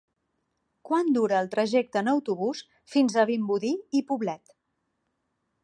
Quant dura el trajecte en autobús fins a Vimbodí i Poblet?